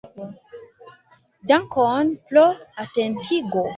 Dankon pro atentigo.